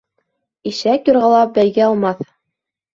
Ишәк юрғалап бәйге алмаҫ.